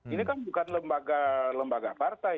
ini kan bukan lembaga partai